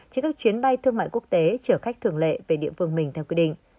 trên các chuyến bay thương mại quốc tế chở khách thường lệ về địa phương mình theo quy định